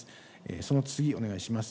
その次、お願いします。